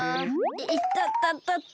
いたたたた。